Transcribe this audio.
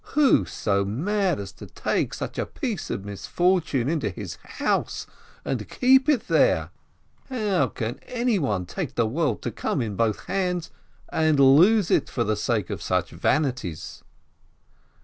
Who so mad as to take such a piece of misfor tune into his house and keep it there ? How can anyone take the world to come in both hands and lose it for the sake of such vanities